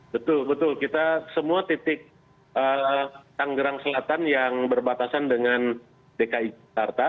betul betul kita semua titik tanggerang selatan yang berbatasan dengan dki jakarta